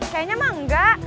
kayaknya mah enggak